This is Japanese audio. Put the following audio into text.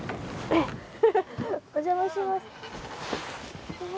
お邪魔します。